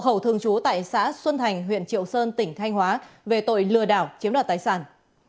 hậu thường trú tại xã xuân thành huyện triệu sơn tỉnh thanh hóa về tội lừa đảo chiếm đoạt tài sản